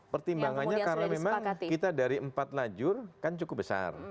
pertimbangannya karena memang kita dari empat lajur kan cukup besar